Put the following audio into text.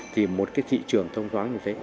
thì một cái thị trường thông thoáng như thế